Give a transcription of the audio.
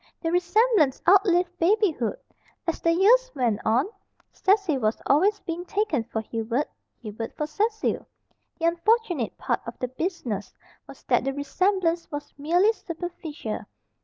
The resemblance outlived babyhood. As the years went on, Cecil was always being taken for Hubert, Hubert for Cecil. The unfortunate part of the business was that the resemblance was merely superficial.